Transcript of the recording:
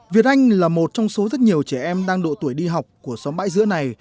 việt anh là một trong số rất nhiều trẻ em đang độ tuổi đi học của xóm bãi giữa này